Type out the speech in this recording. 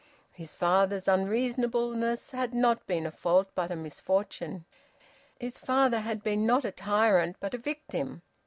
His father's unreasonableness had not been a fault, but a misfortune. His father had been not a tyrant, but a victim.